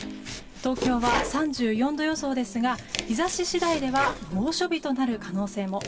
東京は３４度予想ですが日差し次第では猛暑日となる可能性も。